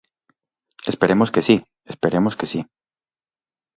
Esperemos que si, esperemos que si.